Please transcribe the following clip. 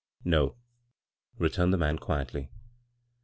" No," returned the man, quietly.